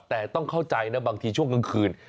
แต่ต้องเข้าใจนะบางทีช่วงกลางคืน